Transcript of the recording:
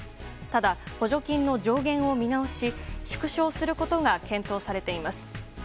ただ、補助金の上限を見直し縮小することが検討されています。